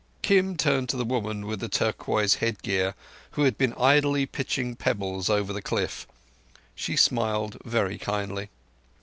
Kim turned to the woman with the turquoise headgear who had been idly pitching pebbles over the cliff. She smiled very kindly.